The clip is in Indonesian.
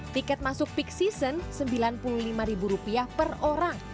tiket masuk peak season sembilan puluh lima per orang